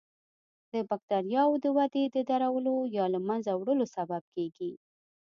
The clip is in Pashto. د بکټریاوو د ودې د درولو یا له منځه وړلو سبب کیږي.